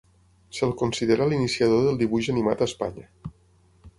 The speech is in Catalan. Se'l considera l'iniciador del dibuix animat a Espanya.